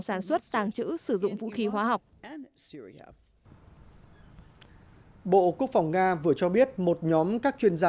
sản xuất tàng trữ sử dụng vũ khí hóa học bộ quốc phòng nga vừa cho biết một nhóm các chuyên gia